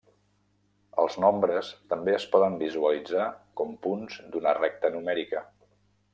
Els nombres també es poden visualitzar com punts d'una recta numèrica.